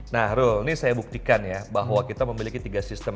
nah rul ini saya buktikan ya bahwa kita memiliki tiga sistem